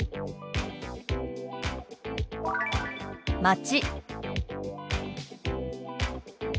「町」。